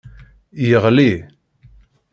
Yeɣli.